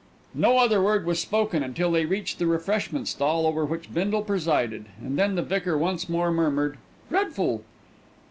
No other word was spoken until they reached the refreshment stall over which Bindle presided, and then the vicar once more murmured, "Dreadful!"